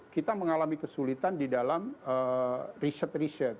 kita mengalami kesulitan di dalam riset riset